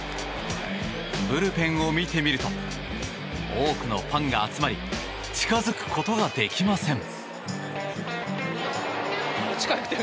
ブルペンを見てみると多くのファンが集まり近づくことができません。